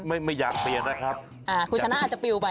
ไม่อยากเปลี่ยนนะครับ